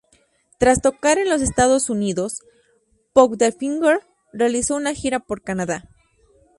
Tras tocar en los Estados Unidos, Powderfinger realizó una gira por Canadá.